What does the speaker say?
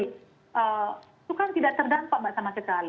itu kan tidak terdampak mbak sama sekali